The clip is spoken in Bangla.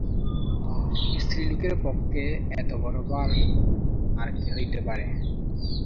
স্ত্রীলোকের পক্ষে এতবড়ো ভার আর কী হইতে পারে!